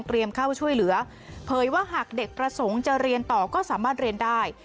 เข้าช่วยเหลือเผยว่าหากเด็กประสงค์จะเรียนต่อก็สามารถเรียนได้